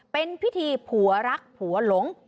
เป็นพิธีผัวรักผัวหลง